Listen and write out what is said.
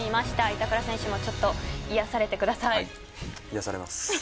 板倉選手もちょっと癒やされてください。